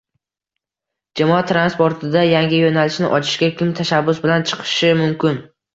Jamoat transportida yangi yo‘nalishni ochishga kim tashabbus bilan chiqishi mumkin?